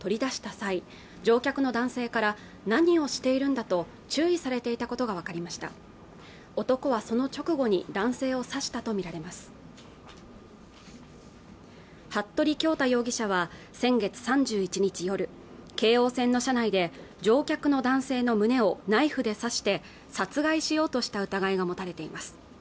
際乗客の男性から何をしているんだと注意されていたことが分かりました男はその直後に男性を刺したと見られます服部恭太容疑者は先月３１日夜京王線の車内で乗客の男性の胸をナイフで刺して殺害しようとした疑いが持たれています